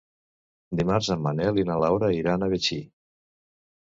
Dimarts en Manel i na Laura iran a Betxí.